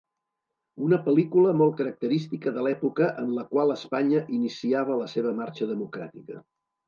Una pel·lícula molt característica de l'època en la qual Espanya iniciava la seva marxa democràtica.